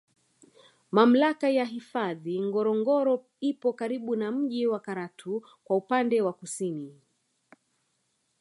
Mamlaka ya hifadhi Ngorongoro ipo karibu na mji wa Karatu kwa upande wa kusini